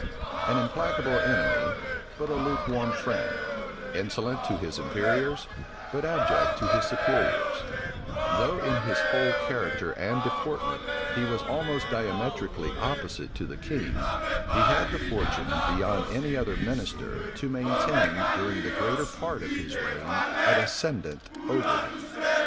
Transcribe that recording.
An implacable enemy, but a lukewarm friend; insolent to his inferiors, but abject to his superiors; though in his whole character and deportment he was almost diametrically opposite to the king, he had the fortune, beyond any other minister, to maintain, during the greater part of his reign, an ascendant over him.